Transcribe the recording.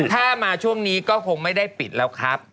ถ้ามาช่วงนี้ก็คงไม่ได้ปิดแล้วครับ